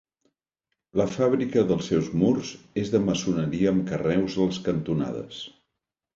La fàbrica dels seus murs és de maçoneria amb carreus a les cantonades.